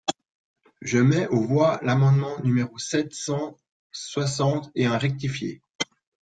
Je mets aux voix l’amendement numéro sept cent soixante et un rectifié.